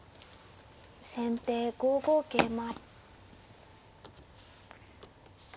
先手５五桂馬。